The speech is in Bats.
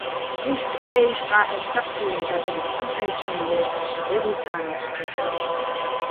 იშტ ყეიშ-ყა́ჰ̦ეშ დაჴდიეჼ ბადრი, ცჰ̦ან-ჴე́ჩონ ლე́ტეშ, დე-ბუჲსა́ ნიფსდოშ.